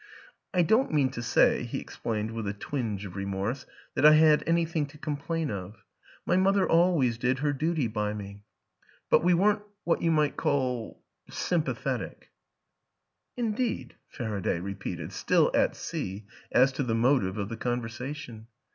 " I don't mean to say," he explained with a twinge of remorse, " that I had anything to com plain of. My mother always did her duty by me. 8 WILLIAM AN ENGLISHMAN But we weren't what you might call sympathetic." " Indeed! " Faraday repeated still at sea as to the motive of the conversation.